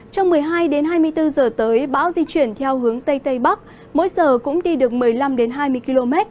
trong một mươi hai đến hai mươi bốn giờ tới bão di chuyển theo hướng tây tây bắc mỗi giờ cũng đi được một mươi năm hai mươi km